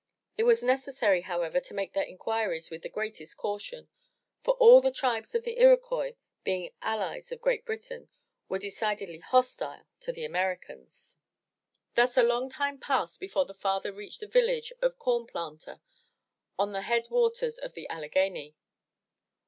It was necessary, however, to make their inquiries with the greatest caution, for all the tribes of the Iroquois being allies of Great Britain, were decidedly hostile to the Americans. Thus a long time passed before the father reached the village of Corn Planter on the head waters of the Alleghany.